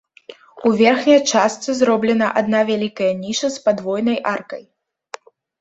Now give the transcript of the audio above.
У верхняй частцы зроблена адна вялікая ніша з падвойнай аркай.